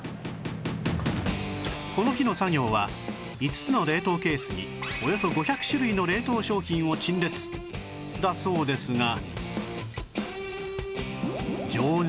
この日の作業は５つの冷凍ケースにおよそ５００種類の冷凍商品を陳列だそうですが